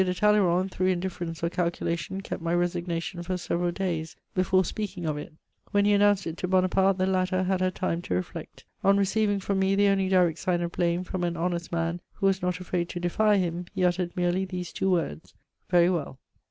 de Talleyrand, through indifference or calculation, kept my resignation for several days before speaking of it: when he announced it to Bonaparte the latter had had time to reflect. On receiving from me the only direct sign of blame from an honest man who was not afraid to defy him, he uttered merely these two words: "Very well."